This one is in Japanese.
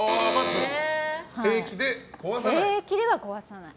平気では壊さない。